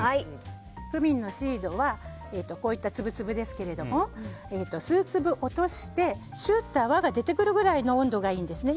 クミンのシードはこういった粒々ですけども数粒落として、しゅっと泡が出てくるくらいの温度がいいんですね。